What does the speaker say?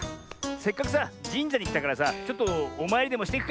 せっかくさじんじゃにきたからさちょっとおまいりでもしていくか。